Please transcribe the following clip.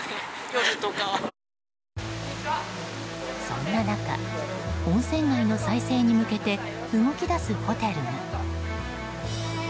そんな中温泉街の再生に向けて動き出すホテルが。